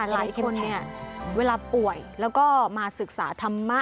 หลายคนเวลาป่วยแล้วก็มาศึกษาธรรมะ